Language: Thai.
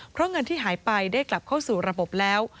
เพราะเงินที่หายไปได้กลับเข้าสู่ระบบแล้ว